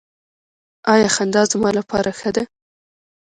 ایا خندا زما لپاره ښه ده؟